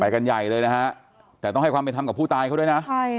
กันใหญ่เลยนะฮะแต่ต้องให้ความเป็นธรรมกับผู้ตายเขาด้วยนะใช่